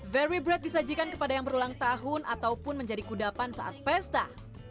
very bread disajikan kepada yang berulang tahun ataupun menjadi kudapan saat pesta